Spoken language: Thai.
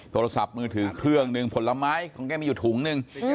โทรศัพท์มือถือเครื่องหนึ่งผลไม้ของแกมีอยู่ถุงนึง